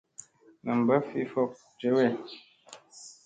Nam mba ki fok jewe.